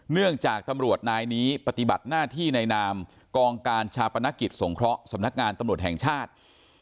เนื่องจากตำรวจนายนี้ปฏิบัติหน้าที่ในนามกองการชาปนกิจสงเคราะห์สำนักงานตำรวจแห่งชาติ